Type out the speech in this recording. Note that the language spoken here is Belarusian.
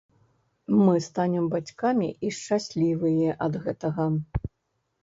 Мы станем бацькамі і шчаслівыя ад гэтага.